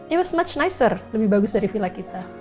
it was much nicer lebih bagus dari villa kita